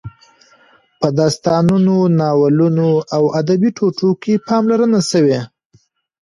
په داستانونو، ناولونو او ادبي ټوټو کې پاملرنه شوې.